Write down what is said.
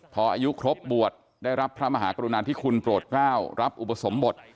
พออายุครบบวชได้รับพระมหากรุณาธิคุณโปรดกล้าวรับอุปสมบท